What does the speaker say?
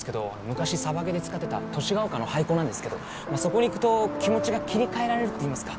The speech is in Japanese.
昔サバゲーで使ってた寿ヶ丘の廃校なんですけどそこに行くと気持ちが切り替えられるっていいますか。